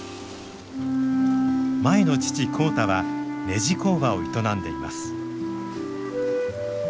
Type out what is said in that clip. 舞の父浩太はねじ工場を営んでいます。